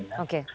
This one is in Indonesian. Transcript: baik baik oke